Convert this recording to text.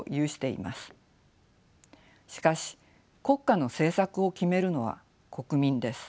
しかし国家の政策を決めるのは国民です。